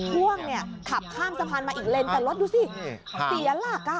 พ่วงเนี่ยขับข้ามสะพานมาอีกเลนแต่รถดูสิเสียหลัก